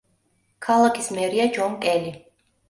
ქალაქის მერია ჯონ კელი.